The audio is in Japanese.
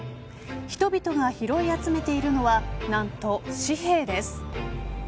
人々が拾い集めているのは何と紙幣です。